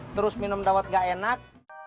terus minum dawet gak enak